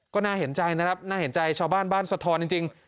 ก็น่าเห็นใจนะครับน่าเห็นใจชาวบ้านบ้านสะท้อนจริง